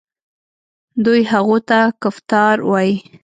دوی هغوی ته کفتار وايي.